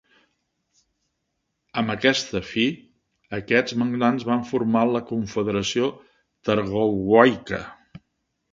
Amb aquesta fi, aquests magnats van formar la Confederació Targowica.